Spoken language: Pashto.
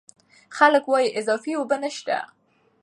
خلک وايي اضافي اوبه نشته.